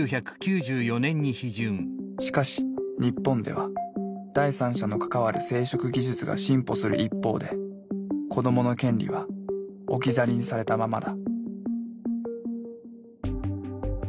しかし日本では第三者の関わる生殖技術が進歩する一方で子どもの権利は置き去りにされたままだ。